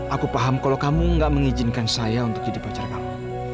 aku paham kalau kamu gak mengizinkan saya untuk jadi pacar kamu